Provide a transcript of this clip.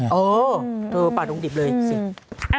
เออป่าตรงดิบเลยเออ